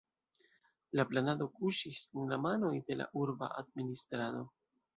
La planado kuŝis en la manoj de la urba administrado.